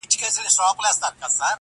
سترگي دي پټي كړه ويدېږمه زه